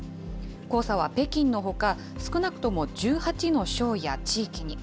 黄砂は北京のほか、少なくとも１８の省や地域に。